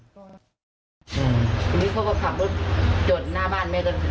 กระโบะน้ำกันเปิดรุ่นขุยก็ยืนอยู่ทางแมโกขาย